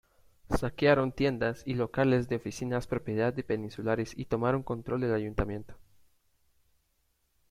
Saquearon tiendas y locales de oficinas propiedad de peninsulares y tomaron control del ayuntamiento.